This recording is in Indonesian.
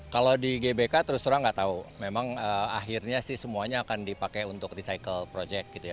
kalau di gbk terus terang nggak tahu memang akhirnya sih semuanya akan dipakai untuk recycle project gitu ya